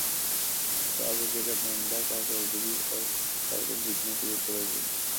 سرفراز Asia cup میں عمدہ کارکردگی اور ٹائٹل جیتنے کیلئے پرعزم